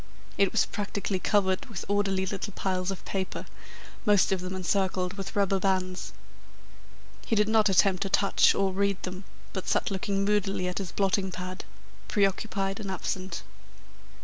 It was practically covered with orderly little piles of paper, most of them encircled with rubber bands. He did not attempt to touch or read them, but sat looking moodily at his blotting pad, preoccupied and absent.